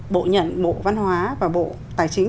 bộ nhận bộ văn hóa và bộ tài chính